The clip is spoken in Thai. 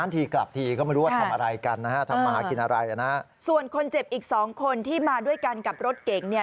ทุกคนที่มาด้วยกันกับรถเกย์เนี่ย